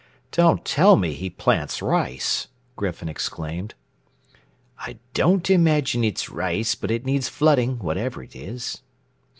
"Don't tell me he plants rice!" Griffin exclaimed. "I don't imagine it's rice, but it needs flooding whatever it is."